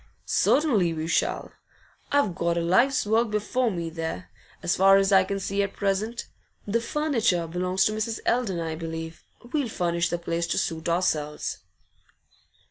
'Certainly we shall. I've got a life's work before me there, as far as I can see at present. The furniture belongs to Mrs. Eldon, I believe; we'll furnish the place to suit ourselves.